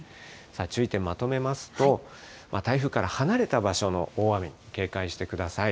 注意点まとめますと、台風から離れた場所の大雨に警戒してください。